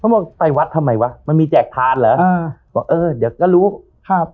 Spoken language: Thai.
บอกไปวัดทำไมวะมันมีแจกทานเหรออ่าบอกเออเดี๋ยวก็รู้ครับ